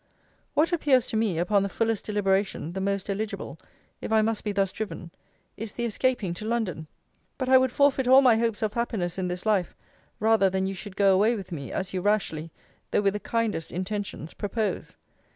What appears to me, upon the fullest deliberation, the most eligible, if I must be thus driven, is the escaping to London. But I would forfeit all my hopes of happiness in this life, rather than you should go away with me, as you rashly, though with the kindest intentions, propose.